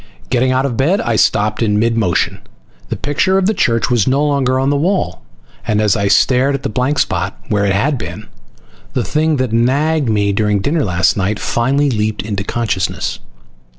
Getting out of bed, I stopped in mid motion. The picture of the church was no longer on the wall. And as I stared at the blank spot where it had been, the thing that had nagged me during dinner last night finally leaped into consciousness.